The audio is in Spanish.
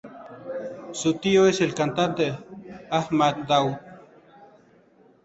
Su tío es el cantante Ahmad Daud.